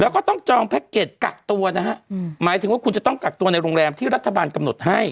แล้วก็ต้องจองแพ็กเกจกักตัวนะฮะหมายถึงว่าคุณจะต้องกักตัวในโรงแรมที่รัฐบาลกำหนดให้